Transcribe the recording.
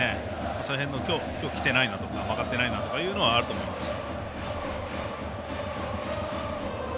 その辺の、今日きてないなとか曲がってないなとかはあると思いますよ。